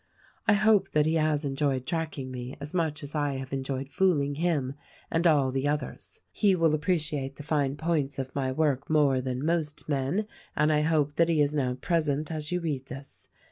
"I hope that he has enjoyed tracking me as much as I have enjoyed fooling him and all the others. He will appreciate the fine points of my work more than most men, and I hope that he is now present as you read this.